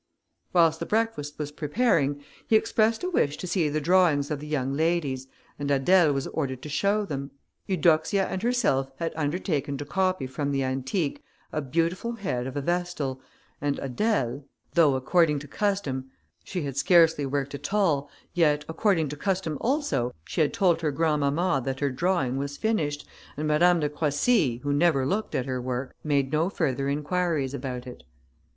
Whilst the breakfast was preparing, he expressed a wish to see the drawings of the young ladies, and Adèle was ordered to show them. Eudoxia and herself had undertaken to copy from the antique a beautiful head of a vestal, and Adèle, though according to custom, she had scarcely worked at all, yet, according to custom also, she had told her grandmamma that her drawing was finished, and Madame de Croissy, who never looked at her work, made no further inquiries about it.